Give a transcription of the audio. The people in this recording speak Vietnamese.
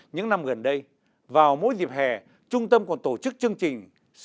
những năm gần đây vào mỗi dịp hè trung tâm còn tổ chức những chương trình khác nhau